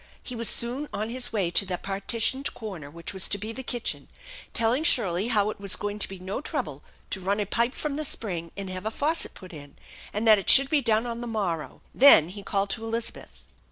He was soon on his way to the partitioned corner which was to be the kitchen, telling Shirley how it was going to be no trouble to run a pipe from the spring and have a faucet put in, and that it should be done on the morrow, Then he called to Elizabeth.